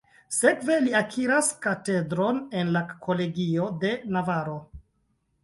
Sekve, li akiras katedron en la Kolegio de Navaro.